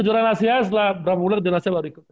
jelasnya setelah berapa bulan jelasnya baru ikut ya